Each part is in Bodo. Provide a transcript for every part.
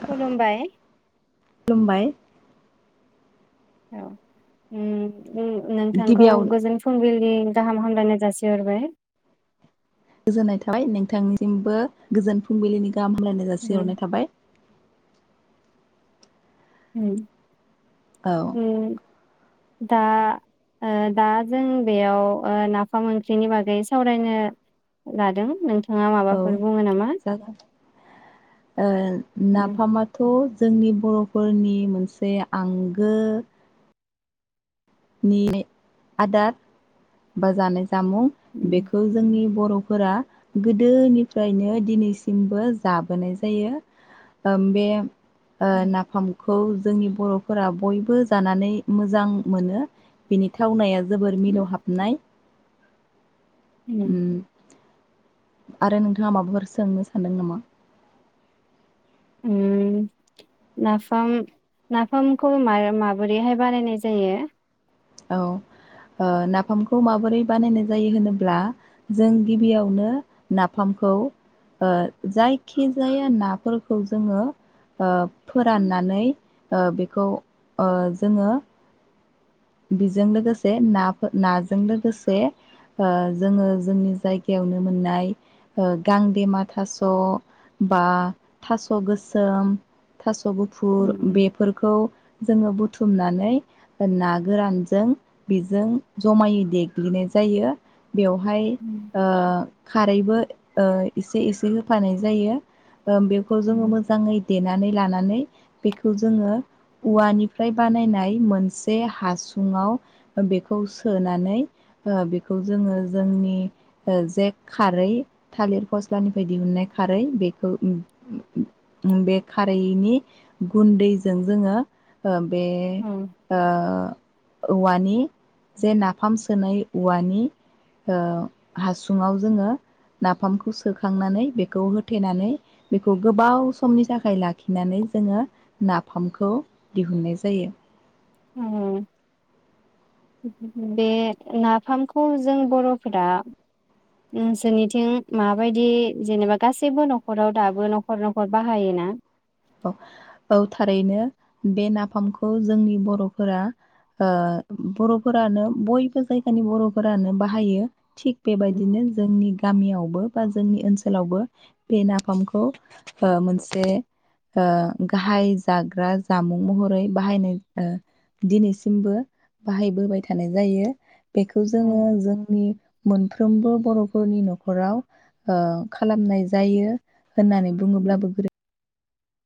खुलुमबाय। खुलुमबाय औ उम उम नोंथांखौ गिबियाव गोजोन फुंबिलि नो गाहाम हामलायनाय जासि हरबाय। नोंथांनिसिमबो गोजोन फुंबिलिनि गाहाम हामलायनाय उम जासिहरनाय थाबाय। उम। औ होम। दा ओ दा जों बेयाव ओ नाफाम मोनख्रिनि बागै सावरायनो लादों नों नाङा औ माबाफोर बुङो नामा? जागोन ओ नाफामाथ' जोंनि बर'फोरनि मोनसे आंगो नि आदार बा जानाय जामुं उम बेखौ जोंनि बर'फोरा गोदोनिफ्रायनो दिनैसिमबो जाबोनाय जायो ओ बे ओ नाफाम खौ जोंनि बर'फोरा बयबो जानानै मोजां मोनो। बिनि थावनाया जोबोर मिलौहाबनाय उ उम आरो नोंथाङा माबाफोर सोंनो सानदों नामा? उ नाफाम नाफामखौ मार-माबोरैहाय बानायनाय जायो। औ नाफामखौ माबोरै बानायनाय जायो होनोब्ला जों गिबियावनो नाफामखौ जायखि जाया नाफोरखौ जोङो फोराननानै बेखौ जोङो बेजों लोगोसे नाफोर नाजों लोगोसे जोङो जोंनि जायगायावनो मोननाय गांदेमा थास' बा थास' गोसोम थास' गुफुर उम बेफोरखौ जोङो बुथुमनानै ओ ना गोरानजों बेजों जमायै देग्लिनाय जायो। बेवहाय ओ खारैबो एसे एसे होफानाय जायो। ओ बेखौ जोङो मोजाङै देनानै लानानै बेखौ जोङो औवानिफ्राय बानायनाय मोनसे हा सुङाव बेखौ सोनानै ओ बेखौ जोङो जोंनि जे खारै थालिर फस्लानिफ्राय दिहुननाय खारै बेखौ बे खारैनि बे औ ओ औवानि जे नाफाम सोनाय औवानि ओ हासुङाव जोङो नाफामखौ सोखांनानै बेखौ होथेनानै बेखौ गोबाव समनि थाखाय लाखिनानै जोङो नाफामखौ दिहुननाय जायो। बे नाफामखौ जों बर'फोरा नोंसोरनिथिं माबायदि जेनेबा गासैबो न'खराव दाबो न'खर न'खर बाहायोना? औ औ थारैनो बे नाफामखौ जोंनि बर'फोरा ओ बर'फोरानो बयबो जायगानि बर'फोरानो बाहायो। थिग बेबायदिनो जोंनि गामियावबो बा जोंनि ओनसोलावबो बे नाफामखौ ओ मोनसे ओ गाहाय जाग्रा जामुं महरै बाहायनाय दिनैसिमबो बाहायबोबाय थानाय जायो। बेखौ जोङो जोंनि मोनफ्रोमबो बर'फोरनि न'खराव ओ खालामनाय जायो। होननानै बुङोब्लाबो गोरै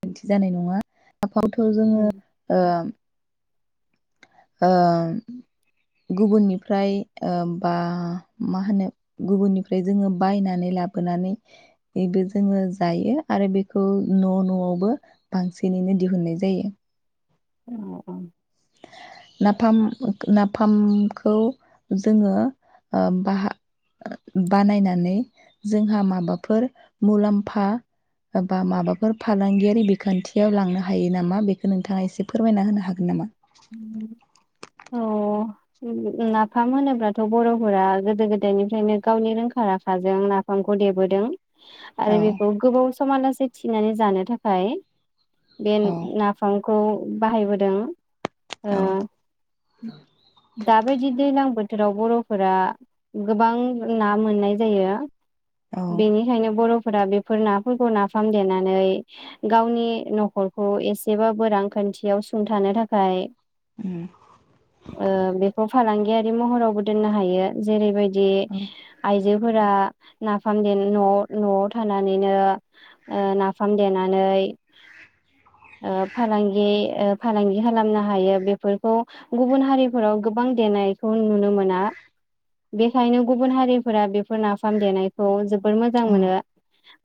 गोरोन्थि जानाय नङा। आफावथ' जोङो ओ गुबुननिफ्राय बा मा होनो गुबुननिफ्राय जोङो बायनानै लाबोनानैबो जोङो जायो आरो बेखौ न' न'आवबो बांसिनैनो दिहुननाय जायो। औ औ नाफाम नाफामखौ जोङो बा बानायनानै जोंहा माबाफोर मुलाम्फा बा माबाफोर फालांगियारि बिखान्थियाव लांनो हायो नामा बेखौ नोंथाङा एसे फोरमायना होनो हागोन नामा? औ नाफाम होनोब्लाथ' बर'फोरा गोदो गोदायनिफ्रायनो गावनि रोंखा राखाजों नाफामखौ देबोदों। आरो बेखौ गोबाव समालासेै थिनानै जानो थाखाय बे औ नाफां खौ बाहायबोदों औ ओं दाबायदि दैलां बो थोराव बर'फोरा गोबां ना मोननाय जायो। औ बेनिखायनो बर फोरा बेफोर नाफोरखौ नाफाम देनानै गावनि न'खरखौ एसेबाबो रां खान्थियाव सुंथानो थाखाय। उम ओ बेखौ फालांगि गि महरावबो दोननो हायो जेरैबाय दि औ आइजोफोरा। नाफाम देना न' न'आव थानानैनो ओ नाफाम देनानै ओ फालांगि ओ फालांगि खालामना हायो बेफोरखौ गुबुन हारिफोराव गोबां देनायखौ नुनो मोना बेखायनो गुबुन हारिफोरा बेफोर नाफाम देनायखौ जो बोर मोजां औ मोनो।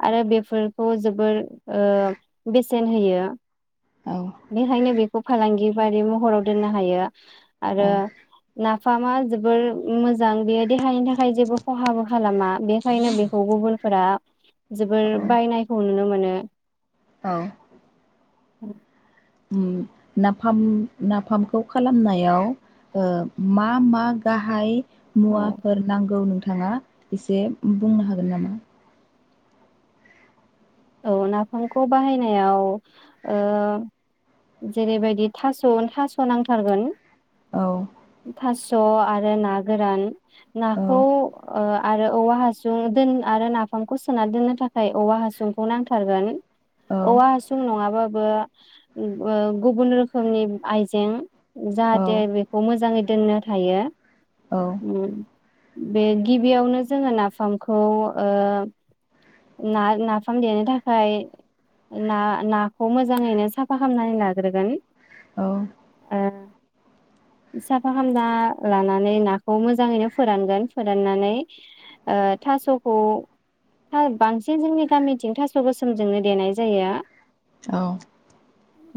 आरो बेफोरखौ जोबोर। ओ बेसेन होयो औ बेखायनो बेखौ फालांगि बारि महराव दोननो हायो। आरो औ ना फामा जोबोर मोजां बे देहानि थाखाय जेबो खहाबो खालामा बेखायनो बेखौ गुबुनफोरा। जोबोर औ बायनायखौ नुनो मोनो नो। औ। औ। ओम नाफाम नाफामखौ खालामनायाव ओ मा मा गाहाय औ मुवाफोर नांगौ नों थाङा एसे बुंनो हागोन नामा? औ नाफामखौ बाहायनायाव ओ जेरैबायदि थास' थास' नांथारगोन। औ थास स' आरो ना गोरान। औ नाखौ ओ आरो औवा हासुं दोन आरो नाफामखौ सोना दोननो थाखाय औवा हासुं खौ नांथारगोन। औवा हासुं नङाबा बा बा गुबुन रोखोमनि आइजें। औ जाहाथे बेखौ मोजाङै दोननो थायो। औ ओम। बे गिबियावनो जोङो नाफामखौ ओ ना नाफा फाम देनो थाखाय, ना नाखौ मोजाङैनो साफा खामनानै लाग्रोगोन। औ। ओ साफा खामना लानानै नाखौ मोजाङैनो फोरानगोन, फोराननानै ओ थासखौ बांसिन जोंनि गामि। थास गोसोमजोंनो देनाय जायो। औ।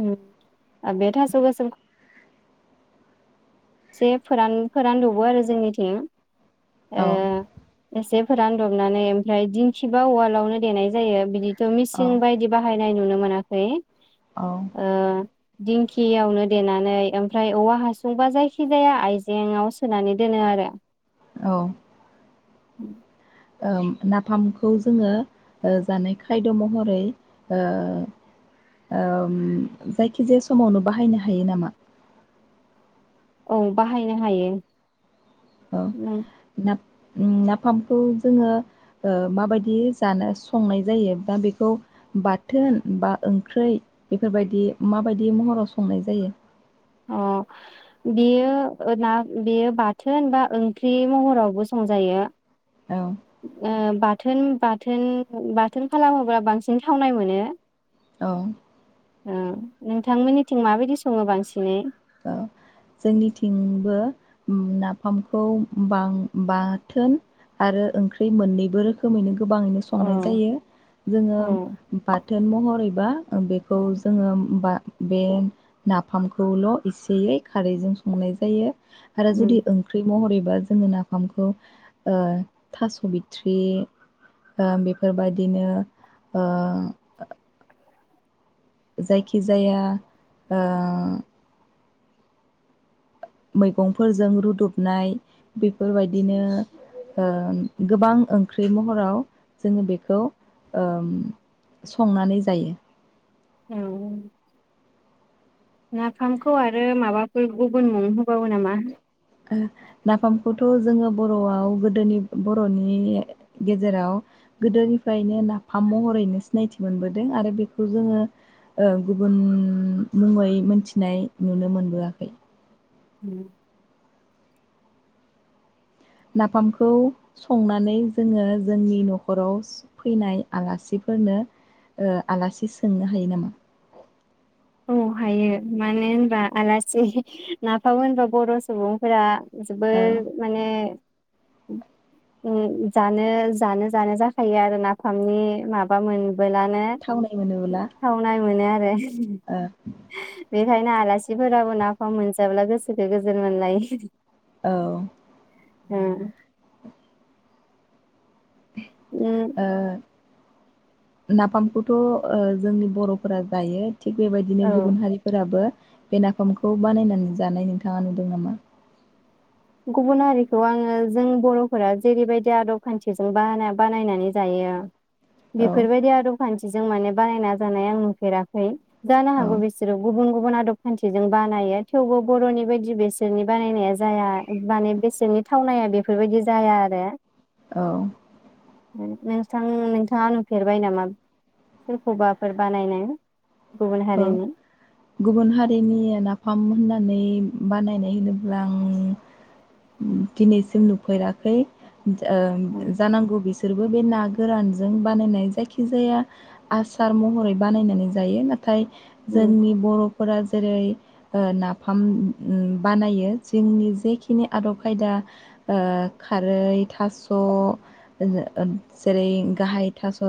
ओम आ बे थास गोसोम इसे फोरान फोरान दबो आरो जोंनिथिं। ओ औ एसे फोरानदबनानै ओमफ्राय दिंखिबा उवालावनो देनाय जायो बिदि थ औ मिसिं बायदि बाहाय नाय नुनो मोनाखै। औ ओ। दिंखियावनो देनानै ओमफ्राय औवा हासुं बा जायखि खिजाया आइजेेङाव सोनानै दोनो आरो। औ। ओम। ओम नाफामखौ जोङो, ओ जानाय खायद महरै ओ ओ-म जायखिजाया समावनो बाहायनो हायो नामा? औ बाहायनो हायो। औ उम ना। ओम नाफामखौ जोङो, ओ माबायदि जानो संनाय जायो। दा बेखौ बाथोन बा ओंख्रै बेफोरबायदि माबायदि महराव संनाय जायो। अ बेयो ना बेयो बाथोन बा ओंख्रि महरावबो संजायो। औ ओ बा थोन बाथोन बाथोन खालामोबा बांसिन थावनाय मोनो। औ। ओ नोंथांमोननिथिं माबायदि सङो बांसिनै? ओ जोंनिथिंबो। ओम नाफामखौ बां बाथोन, आरो ओंख्रि मोननैबो रोखोमैनो गोबाङैनो औ संनाय जायो, जोङो औ बाथोन महरैबा ओ बेखौ जोङो बा बे नाफामखौल इसेयै खारैजों संनाय जायो। आरो उम जुदि ओंख्रै महरैबा जोङो ना नाफामखौ ओ थास बिथ्रि बा बेफोरबादिनो ओ। जायखिजाया ओ। मैगंफोरजों रुदबनाय बेफोरबायदिनो ओ गोबां ओंख्रै महराव जोङो बेखौ ओम संनानै जायो। औ ओ नाफामखौथ जोङो बर'आव गोदोनि बर'नि ओम नाफामखौ संनानै जोङो जोंनि न'खराव स फैनाय आलासिफोरनो आलासि सोंनो हायो नामा? औ हायो मानो होनबा आलासि नाफाम होनबा बर सुबुंफोरा जोबोर ओ माने ओ जानो जानो जानो जाखायो आरो नाफामनि माबा मोन बोलानो थावनाय मोनोब्ला थावनाय मोनो आ दे ओ ओंखायनो आलासिफोराबो नाफाम मोनजाब्ला गोसोखौ गोजोन मोनलायो। औ। ओम। ओ। नाफामखौथ' ओ जोंनि बर'फोरा जायो। थिग बेबायदिनो औ गुबुन हारिफोराबो बे नाफामखौ बानायनानै जानाय नोंथाङा नुदों नामा? गुबुन हारिखौ आङो जों बर'फोरा जेरैबायदि आदब खान्थिजों बानाय बानायनानै जायो औ बेफोरबायदि आदब खान्थि बिजों माने बानायना जानाय आं नुफेराखै। जानो औ हागौ बिसोरो गुबुन गुबुन गुबन आदब खान्थिजों बानायो थेवबो बर'नि बायदि बेसोरनि बानायनाया जाया माने बेसोरनि थावनाया बेफोरबायदि जाया आरो औ। नोंथां नोंथाङा नुफेरबाय नामा सोरखौबाफोर बानायनाय? गुबुन औ हारिनि गुबुन हारिनि नाफाम होननानै बानायनाय होनोब्ला आं दिनैसिम नुफेराखै। ओं उम जानांगौ बिसोर बिसोरबो बे ना गोरानजों बानायनाय जायखिजाया आसार महरै बानायनानै जायो ना थाय उम जोंनि बर'फोरा जेरै ओ नाफाम उम बानायो जोंनि जेखिनि आदब खायदा ओ खारै थास' जेरै ओ‌ गाहाय थास'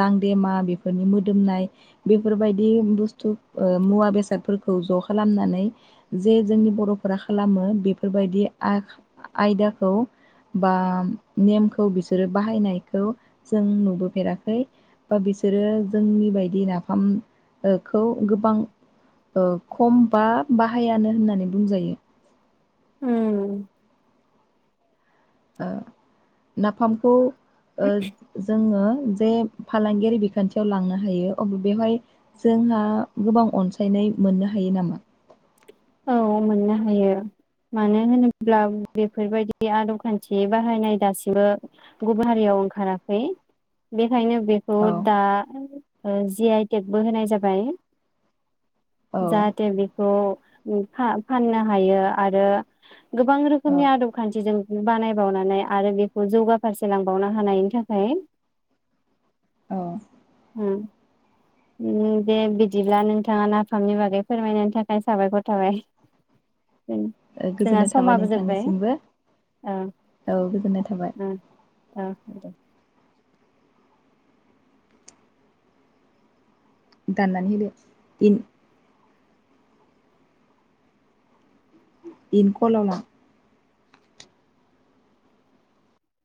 गांदेमा बेफोरनि मोदोमनाय बेफोरबाय बे बुस्थु ओ मुवा बेसादफोरखौ ज' खालामनानै जे जोंनि बर'फोरा खालामो बेफोरबायदि आ आयदाखौ बा नेमखौ बिसोरो बाहायनायखौ जों नुबोफेराखै बा बिसोरो जोंनि बायदि नाफाम ओ खौ गोबां ओ खम बा बाहायानो होननानै बुंजायो उम। ओ नाफामखौ ओ जोङो जे फालांगियारि बिखान्थियाव लांनो हायो अब्ला बेवहाय जोंहा गोबां अनसायनाय मोननो हायो नामा? औ मोननो हायो मानो होनोब्ला बेफोरबायदि आदब खान्थि बाहायनाय दासिमबो गुबुन हारियाव ओंखाराखै बे ओंखायनो बेखौ औ दा ओ जि आइ टेकबो होनाय जाबाय। औ जाहाथे बेखौ उम फा फाननो हायो आरो गोबां औ रोखोमनि आदब खान्थिजों बानाय बावनानै आरो बेखौ जौगाफारसे लांबावनो हानायनि थाखाय अ दे बिदिब्ला नोंथाङा नाफामनि बागै फोरमायनायनि थाखाय साबायखर थाबाय जोंहा गोजोननाय थाबाय समाबो जोब्बाय नोंथांनिसिमबो औ गोजोननाय थाबाय ओं दे दाननानै होदो इनकलला